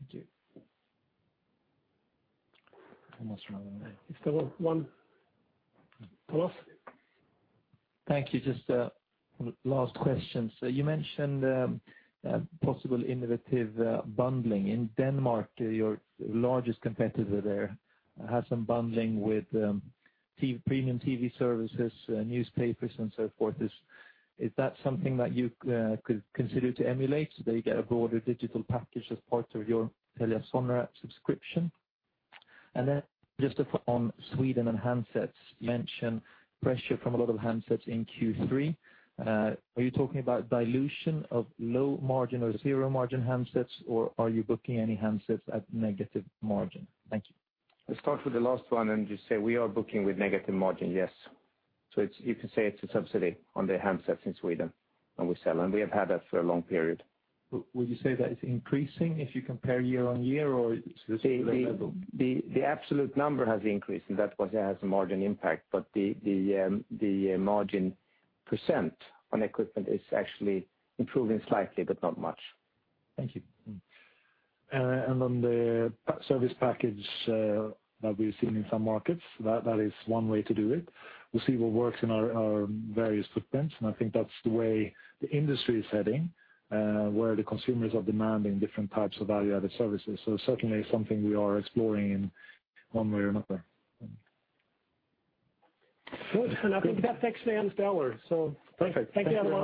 [SPEAKER 21] Thank you.
[SPEAKER 3] Almost running out. Is there one last?
[SPEAKER 7] Thank you. Just a last question. You mentioned possible innovative bundling. In Denmark, your largest competitor there has some bundling with premium TV services, newspapers, and so forth. Is that something that you could consider to emulate so that you get a broader digital package as part of your TeliaSonera subscription? Just on Sweden and handsets, you mentioned pressure from a lot of handsets in Q3. Are you talking about dilution of low margin or zero-margin handsets, or are you booking any handsets at negative margin? Thank you.
[SPEAKER 3] Let's start with the last one and just say we are booking with negative margin, yes. You can say it's a subsidy on the handsets in Sweden, and we sell, and we have had that for a long period.
[SPEAKER 7] Would you say that it's increasing if you compare year-over-year, or it's the same level?
[SPEAKER 3] The absolute number has increased, and that's why it has a margin impact. The margin % on equipment is actually improving slightly, but not much.
[SPEAKER 7] Thank you.
[SPEAKER 2] On the service package that we've seen in some markets, that is one way to do it. We'll see what works in our various footprints, I think that's the way the industry is heading, where the consumers are demanding different types of value-added services. Certainly something we are exploring in one way or another.
[SPEAKER 3] Good. I think that takes me on stellar.
[SPEAKER 2] Perfect. Thank you.
[SPEAKER 3] Thank you everyone.